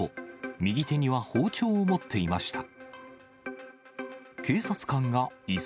右手には包丁を持っていました。